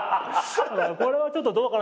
これはちょっとどうかな？